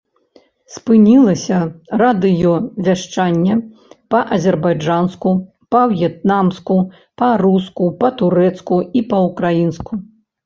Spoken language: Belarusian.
Спынілася радыёвяшчанне па-азербайджанску, па-в'етнамску, па-руску, па-турэцку і па-ўкраінску.